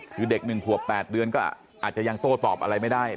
คือเด็ก๑ขวบ๘เดือนก็อาจจะยังโต้ตอบอะไรไม่ได้